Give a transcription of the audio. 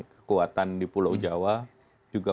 kekuatan di pulau jawa juga